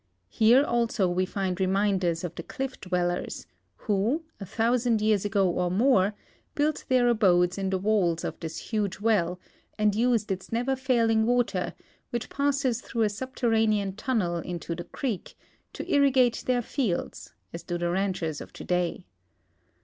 Here also we find reminders of the cliff dwellers, who, a thousand years ago or more, built their abodes in the walls of this huge well and used its never failing water, which passes through a subterranean tunnel into the creek, to irrigate their fields, as do the ranchers of today.